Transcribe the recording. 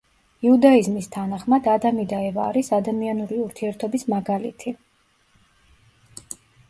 იუდაიზმის თანახმად ადამი და ევა არის ადამიანური ურთიერთობის მაგალითი.